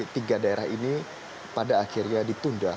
tiga daerah ini pada akhirnya ditunda